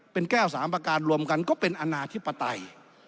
เป็นแก้ว๓ประการรวมกันก็เป็นอนาธิปไตย